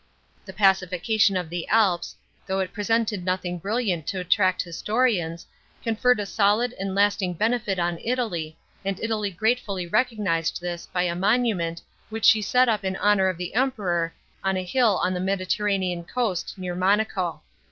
The paci fication of the Alps, though it presented nothing brilliant to attract historians, conferred a solid and lasting benefit on Italy, and Italy gratefully recognised this by a monument which she set up in honour of the Emperor on a hill on the Mediterranean coast, near Monaco.